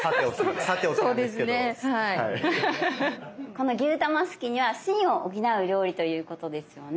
この「牛卵すき煮」は「心」を補う料理ということですよね。